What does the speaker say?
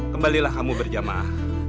kembalilah kamu berjamaah